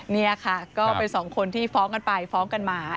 นี่ค่ะก็เป็นสองคนที่ฟ้องกันไปฟ้องกันมา